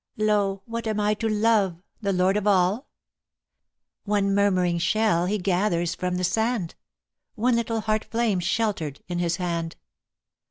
"Lo! what am I to Love, the lord of all? One murmuring shell he gathers from the sand, One little heart flame sheltered in his hand."